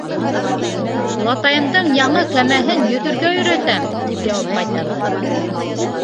- Олатайымдың яңы кәмәһен йөҙөргә өйрәтәм, - тип яуап ҡайтарҙы.